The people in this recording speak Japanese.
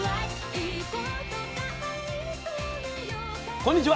こんにちは。